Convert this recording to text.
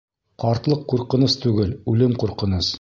Ҡартлыҡ ҡурҡыныс түгел, үлем ҡурҡыныс.